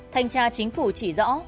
thành tra chính phủ chỉ rõ